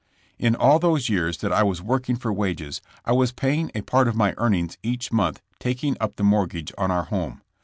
In all those years that I was working for wages I was paying a part of my earnings each month tak ing up the mortgage on our home.